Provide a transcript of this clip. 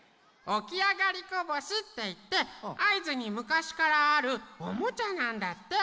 「おきあがりこぼし」っていってあいづにむかしからあるおもちゃなんだって。